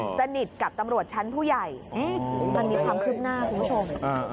สนิทกับตำรวจชั้นผู้ใหญ่มันมีความคืบหน้าคุณผู้ชม